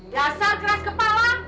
dasar keras kepala